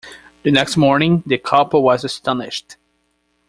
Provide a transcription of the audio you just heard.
The next morning the couple was astonished.